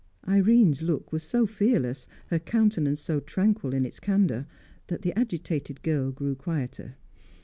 Irene's look was so fearless, her countenance so tranquil in its candour, that the agitated girl grew quieter.